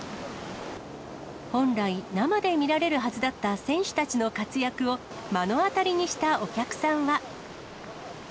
本来、生で見られるはずだった選手たちの活躍を、目の当たりにしたお客さんは。